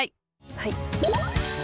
はい。